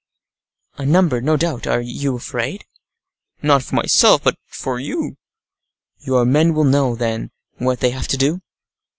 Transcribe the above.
"A number, no doubt; are you afraid?" "Not for myself, but for you." "Your men will know, then, what they have to do?"